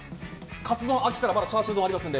カツ丼飽きたらチャーシュー丼ありますので。